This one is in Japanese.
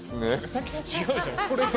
さっきと違うじゃん。